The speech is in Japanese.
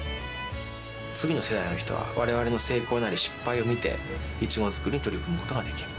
次の世代の人はわれわれの成功なり、失敗を見て、イチゴ作りに取り組むことができる。